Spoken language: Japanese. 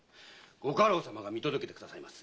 ご家老様が見届けてくださいます。